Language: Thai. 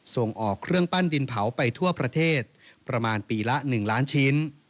ส่งออกเครื่องปั้นดินเผาไปทั่วประเทศประมาณปีละ๑ล้านชิ้น